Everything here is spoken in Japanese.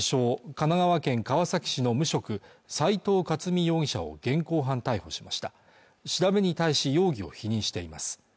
神奈川県川崎市の無職斎藤克己容疑者を現行犯逮捕しました調べに対し容疑を否認しています